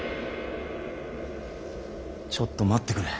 ちょっと待ってくれ。